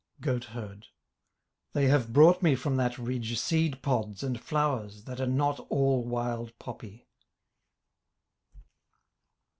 GOATHERD They have brought me from that ridge Seed pods and flowers that are not all wild poppy.